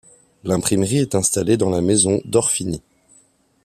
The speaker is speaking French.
L'imprimerie est installée dans la maison d'Orfini.